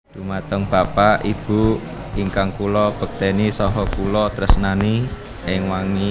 hai semua teman bapak ibu ingkang kulo bekteni soho kulo tresnani yang wangi